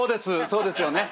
そうですよね。